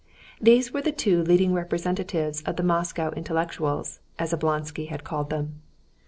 These were the two leading representatives of the Moscow intellectuals, as Oblonsky had called them.